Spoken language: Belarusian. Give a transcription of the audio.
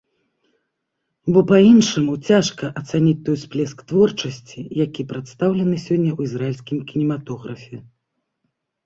Бо па-іншаму цяжка ацаніць той усплёск творчасці, які прадстаўлены сёння ў ізраільскім кінематографе.